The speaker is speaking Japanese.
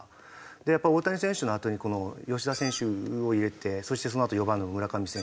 やっぱり大谷選手のあとにこの吉田選手を入れてそしてそのあと４番の村上選手。